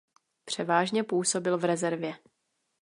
Převážně působil v rezervě.